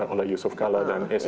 oleh yusuf kalla dan sd